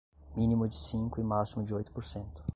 mínimo de cinco e máximo de oito por cento